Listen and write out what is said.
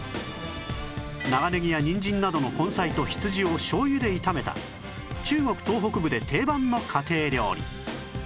長ネギやニンジンなどの根菜と羊を醤油で炒めた中国東北部で定番の家庭料理